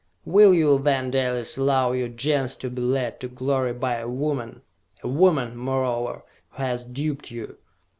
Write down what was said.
"Will you, then, Dalis, allow your Gens to be led to glory by a woman? A woman, moreover, who has duped you?"